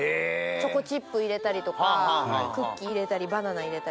チョコチップ入れたりとかクッキー入れたりバナナ入れたり。